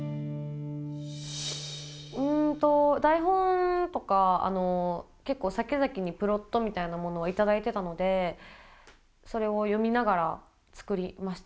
うんと台本とか結構さきざきにプロットみたいなものは頂いてたのでそれを読みながら作りましたね。